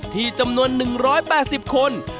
จำนวน๑๘๐คน